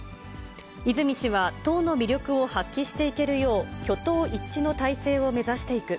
泉氏は党の魅力を発揮していけるよう、挙党一致の体制を目指していく。